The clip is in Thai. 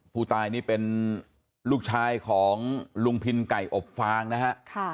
ผู้ตายนี่เป็นลูกชายของลุงพินไก่อบฟางนะฮะ